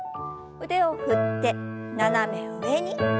腕を振って斜め上に。